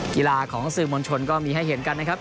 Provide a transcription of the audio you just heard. กีฬาของสื่อมวลชนก็มีให้เห็นกันนะครับ